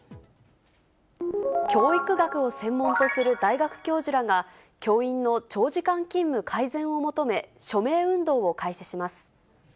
教育学を専門とする大学教授らが、教員の長時間勤務改善を求め、署名運動を開始します。